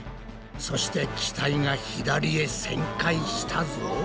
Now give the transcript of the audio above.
そして機体が左へ旋回したぞ。